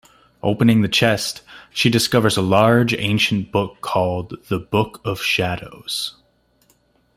Opening the chest, she discovers a large, ancient book called the "Book of Shadows".